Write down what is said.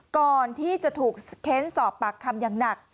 ก่อนที่จะถูกเค้นสอบปากคำอย่างหนัก